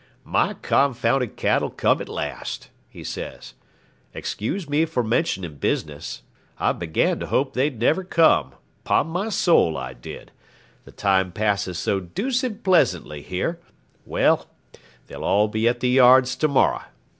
'My confounded cattle come at last,' he says. 'Excuse me for mentioning business. I began to hope they'd never come; 'pon my soul I did. The time passes so deuced pleasantly here. Well, they'll all be at the yards to morrow.